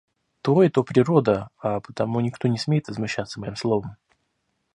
То и то природа, а потому никто не смеет возмущаться моим словом.